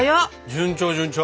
順調順調。